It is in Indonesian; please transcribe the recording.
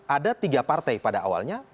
ada tiga partai pada awalnya